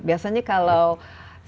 biasanya kalau sistemnya diubah